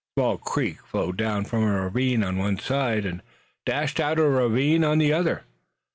A small creek flowed down from a ravine on one side, and dashed out of a ravine on the other.